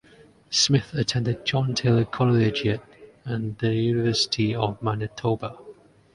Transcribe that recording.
Smith attended John Taylor Collegiate and the University of Manitoba.